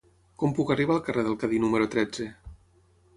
Com puc arribar al carrer del Cadí número tretze?